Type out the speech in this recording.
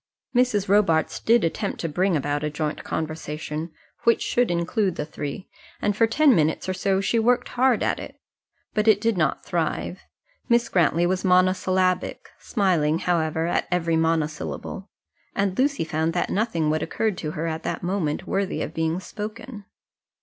Mrs. Robarts did attempt to bring about a joint conversation, which should include the three, and for ten minutes or so she worked hard at it. But it did not thrive. Miss Grantly was monosyllabic, smiling, however, at every monosyllable; and Lucy found that nothing would occur to her at that moment worthy of being spoken.